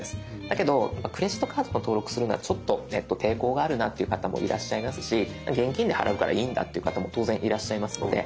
だけどクレジットカードを登録するのはちょっと抵抗があるなという方もいらっしゃいますし現金で払うからいいんだっていう方も当然いらっしゃいますので「スキップ」。